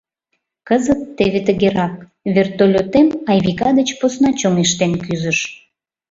Кызыт теве тыгерак: «Вертолётем Айвика деч посна чоҥештен кӱзыш.